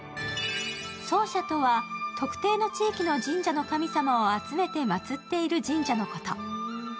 総社とは特定の地域の神社の神様を集めて祭っている神社のこと。